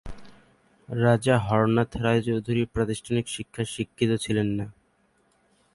রাজা হরনাথ রায় চৌধুরী প্রাতিষ্ঠানিক শিক্ষায় শিক্ষিত ছিলেন না।